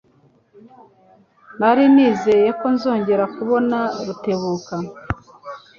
Nari nizeye ko nzongera kubona Rutebuka.